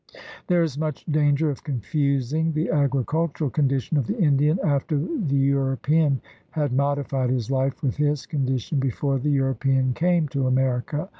There is much danger of confusing the agricul tural condition of the Indian after the European had modified his hfe with his condition before the European came to America.